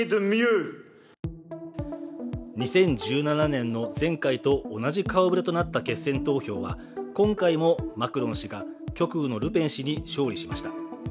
２０１７年の前回と同じ顔ぶれとなった決選投票は今回もマクロン氏が極右のルペン氏に勝利しました。